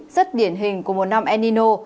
rất điển hình của một năm enino